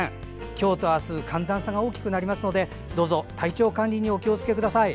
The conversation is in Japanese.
今日とあす寒暖差が大きくなりますので体調管理にお気をつけください。